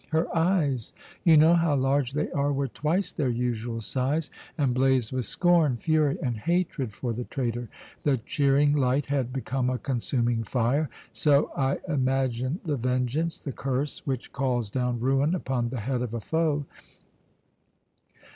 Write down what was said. Her eyes you know how large they are were twice their usual size, and blazed with scorn, fury, and hatred for the traitor. The cheering light had become a consuming fire. So I imagine the vengeance, the curse which calls down ruin upon the head of a foe.